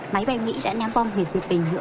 máy bay mỹ đã ném bom hủy diệt bình nữa